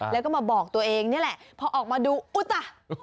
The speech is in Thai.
แล้วก็มาบอกตัวเองนี่แหละพอออกมาดูอุตะ